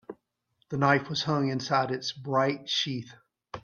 The knife was hung inside its bright sheath.